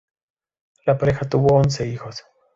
La pareja tuvo once hijos.